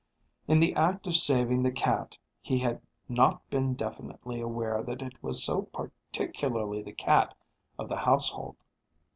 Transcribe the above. In the act of saving the cat he had not been definitely aware that it was so particularly the cat of the household.